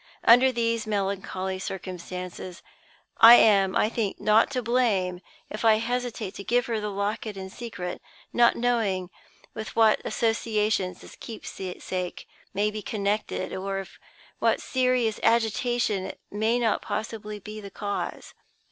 Under these melancholy circumstances, I am, I think, not to blame if I hesitate to give her the locket in secret; not knowing with what associations this keepsake may be connected, or of what serious agitation it may not possibly be the cause.